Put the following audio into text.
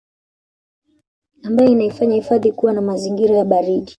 ambayo inaifanya hifadhi kuwa na mazingira ya baridi